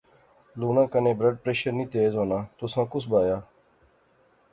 لُوناں کنے بلڈ پریشر نی تیز ہونا تساں کُس بایا